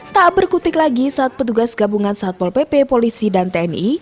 tak berkutik lagi saat petugas gabungan satpol pp polisi dan tni